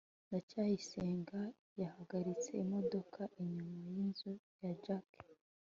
ndacyayisenga yahagaritse imodoka inyuma yinzu ya jaki